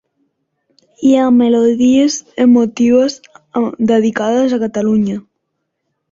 Hi ha melodies emotives dedicades a Catalunya.